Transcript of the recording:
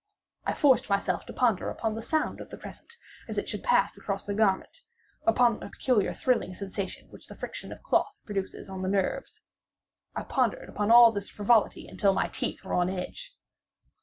I forced myself to ponder upon the sound of the crescent as it should pass across the garment—upon the peculiar thrilling sensation which the friction of cloth produces on the nerves. I pondered upon all this frivolity until my teeth were on edge.